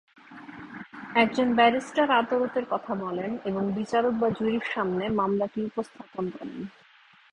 একজন ব্যারিস্টার আদালতে কথা বলেন এবং বিচারক বা জুরির সামনে মামলাটি উপস্থাপন করেন।